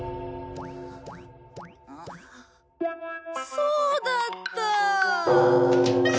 そうだった。